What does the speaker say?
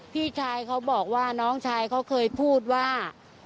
พี่ชายเขาบอกว่าน้องชายเขาเคยพูดว่า